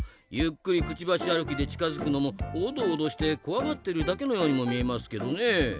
ゆっくりクチバシ歩きで近づくのもおどおどして怖がってるだけのようにも見えますけどね。